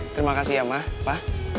terima kasih ya ma pa